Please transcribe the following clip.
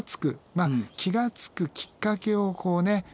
まあ気が付くきっかけをこうね見つける。